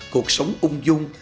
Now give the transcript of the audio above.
cuộc sống ung dung